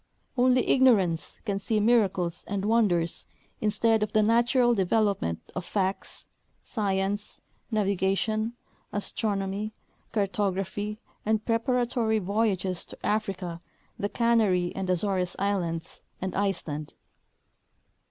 Only ignorance can see miracles and wonders instead of the natural development of facts, science, navigation, astronomy, cartography and preparatory voyages to Africa, the Canary and Azores islands and Iceland.